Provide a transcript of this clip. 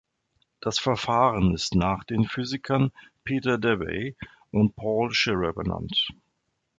Das Verfahren ist nach den Physikern Peter Debye und Paul Scherrer benannt.